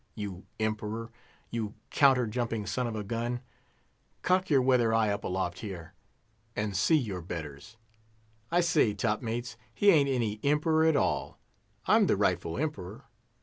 You Emperor—you counter jumping son of a gun—cock your weather eye up aloft here, and see your betters! I say, top mates, he ain't any Emperor at all—I'm the rightful Emperor.